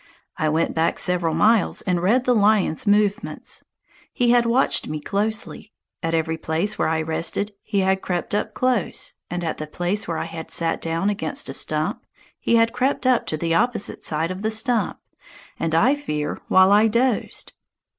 I went back several miles and read the lion's movements. He had watched me closely. At every place where I rested he had crept up close, and at the place where I had sat down against a stump he had crept up to the opposite side of the stump, and I fear while I dozed!